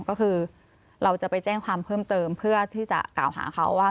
ก็คือเราจะไปแจ้งความเพิ่มเติมเพื่อที่จะกล่าวหาเขาว่า